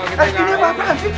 eh ini apaan sih